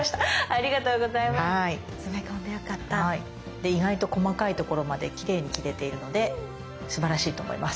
で意外と細かいところまできれいに切れているのですばらしいと思います。